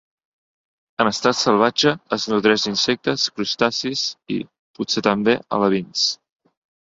En estat salvatge es nodreix d'insectes, crustacis i, potser també, alevins.